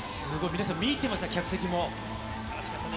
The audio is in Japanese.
皆さん、見入ってました、客席も。